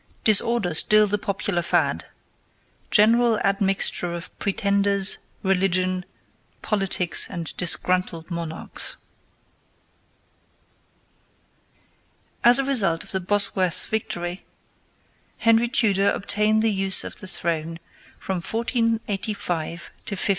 DISORDER STILL THE POPULAR FAD: GENERAL ADMIXTURE OF PRETENDERS, RELIGION, POLITICS, AND DISGRUNTLED MONARCHS. As a result of the Bosworth victory, Henry Tudor obtained the use of the throne from 1485 to 1509.